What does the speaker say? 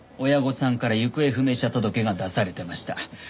親御さんから行方不明者届が出されてました。